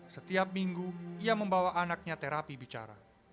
setiap minggu ia membawa anaknya terapi bicara